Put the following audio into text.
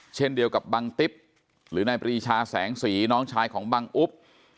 เช่นเดียวกับบังติ๊บหรือนายปรีชาแสงสีน้องชายของบังอุ๊บ